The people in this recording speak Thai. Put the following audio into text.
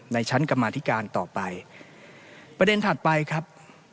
ในชั้นกรรมาธิการต่อไปประเด็นถัดไปครับ